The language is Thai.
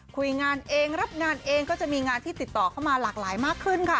คุยงานเองรับงานเองก็จะมีงานที่ติดต่อเข้ามาหลากหลายมากขึ้นค่ะ